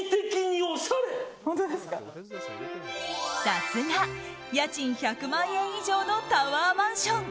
さすが家賃１００万円以上のタワーマンション。